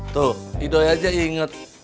tuh idoi aja inget